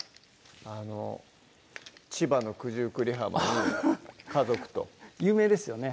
あの千葉の九十九里浜に家族と有名ですよね